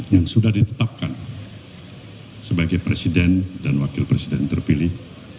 yang sudah ditetapkan sebagai presiden dan wakil presiden terpilih